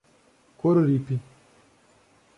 Coruripe